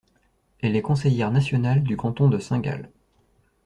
Elle est conseillère nationale du canton de Saint-Gall.